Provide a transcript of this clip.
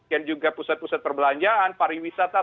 dan juga pusat pusat perbelanjaan pariwisata